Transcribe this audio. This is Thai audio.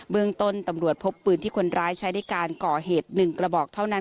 เมืองต้นตำรวจพบปืนที่คนร้ายใช้ในการก่อเหตุ๑กระบอกเท่านั้น